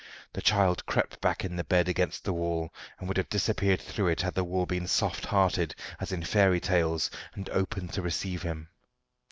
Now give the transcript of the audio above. The child crept back in the bed against the wall, and would have disappeared through it had the wall been soft hearted, as in fairy tales, and opened to receive him.